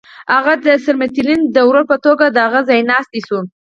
هغه د سرمیلټن د ورور په توګه د هغه ځایناستی شو.